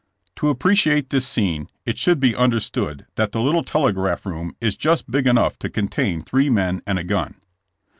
To appreciate this scene it should be understood that the little telegraph room is just big enough to contain three men and a gun.